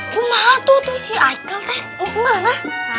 cuma satu tuh si aiko teh mau kemana